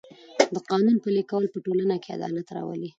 د قانون پلي کول په ټولنه کې عدالت راولي.